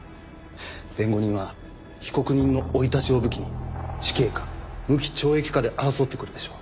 弁護人は被告人の生い立ちを武器に死刑か無期懲役かで争ってくるでしょう。